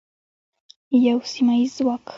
یو سیمه ییز ځواک.